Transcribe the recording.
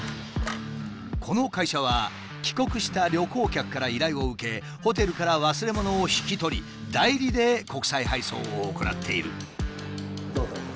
この会社は帰国した旅行客から依頼を受けホテルから忘れ物を引き取り代理で国際配送を行っている。